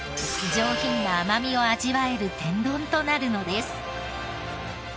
上品な甘みを味わえる天丼となるのです。